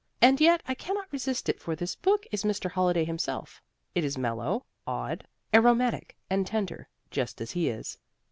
And yet I cannot resist it for this book is Mr. Holliday himself. It is mellow, odd, aromatic and tender, just as he is.